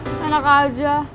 ih enak aja